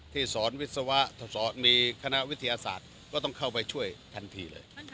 สอนวิศวะสอนมีคณะวิทยาศาสตร์ก็ต้องเข้าไปช่วยทันทีเลย